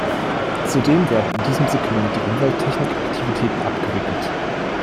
Zudem werden in diesem Segment die Umwelttechnik-Aktivitäten abgewickelt.